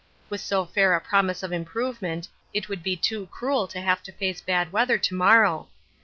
With so fair a promise of improvement it would be too cruel to have to face bad weather to morrow.